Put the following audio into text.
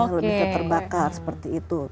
harus terbakar seperti itu